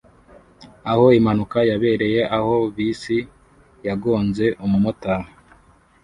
Aho impanuka yabereye aho bisi yagonze umumotari